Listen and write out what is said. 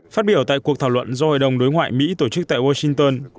phát biểu tại cuộc thảo luận do hội đồng đối ngoại mỹ tổ chức tại washington